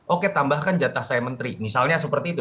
oke tambahkan jatah saya menteri misalnya seperti itu